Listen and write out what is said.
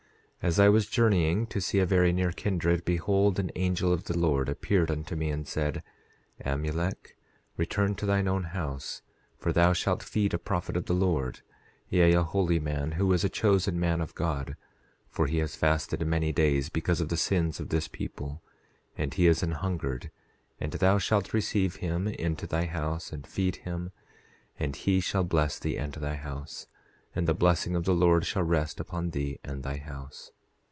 10:7 As I was journeying to see a very near kindred, behold an angel of the Lord appeared unto me and said: Amulek, return to thine own house, for thou shalt feed a prophet of the Lord; yea, a holy man, who is a chosen man of God; for he has fasted many days because of the sins of this people, and he is an hungered, and thou shalt receive him into thy house and feed him, and he shall bless thee and thy house; and the blessing of the Lord shall rest upon thee and thy house.